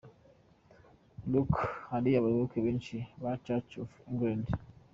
Look! Hari abayoboke benshi ba church of England.